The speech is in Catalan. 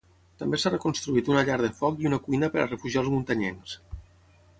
També s'ha reconstruït una llar de foc i una cuina per a refugiar els muntanyencs.